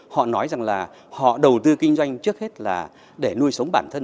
họ nói rằng là họ đầu tư kinh doanh trước hết là để nuôi sống bản thân